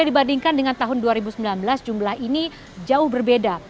dibandingkan dengan tahun dua ribu sembilan belas jumlah ini jauh berbeda